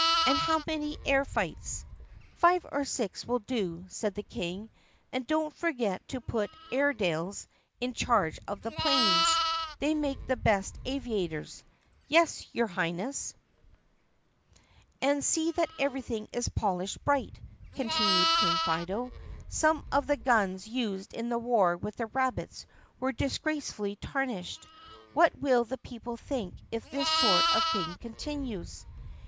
"And how many air fights?" "Five or six will do," said the King, "and don't forget to put Airedales in charge of the 'planes. They make the best aviators." "Yes, your Highness." io8 THE PUSSYCAT PRINCESS "And see that everything is polished bright," continued King Fido. "Some of the guns used in the war with the rab bits were disgracefully tarnished. What will the people think if this sort of thing continues?"